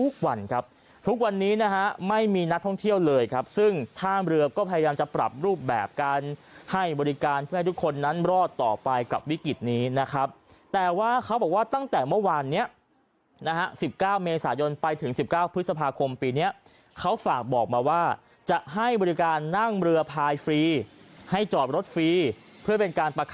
ทุกวันครับทุกวันนี้นะฮะไม่มีนักท่องเที่ยวเลยครับซึ่งท่ามเรือก็พยายามจะปรับรูปแบบการให้บริการเพื่อให้ทุกคนนั้นรอดต่อไปกับวิกฤตนี้นะครับแต่ว่าเขาบอกว่าตั้งแต่เมื่อวานเนี้ยนะฮะ๑๙เมษายนไปถึง๑๙พฤษภาคมปีนี้เขาฝากบอกมาว่าจะให้บริการนั่งเรือพายฟรีให้จอดรถฟรีเพื่อเป็นการประค